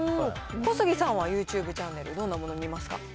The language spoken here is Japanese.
小杉さんは、ユーチューブチャンネル、どんなもの見ますか？